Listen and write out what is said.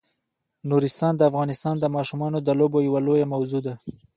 نورستان د افغانستان د ماشومانو د لوبو یوه لویه موضوع ده.